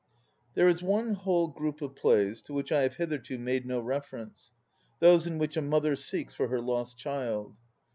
There is one whole group of plays to which I have hitherto made no reference: those in which a mother seeks for her lost child.